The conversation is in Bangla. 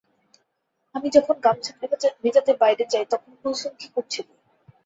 আমি যখন গামছা ভেজাতে বাইরে যাই, তখন কুলসুম কি করছিল?